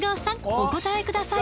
お答えください